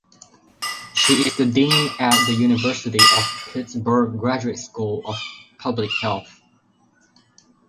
She is the dean at the University of Pittsburgh Graduate School of Public Health.